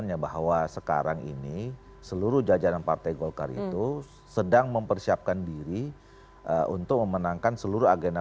ya saya kira itu kan publik yang bisa menilai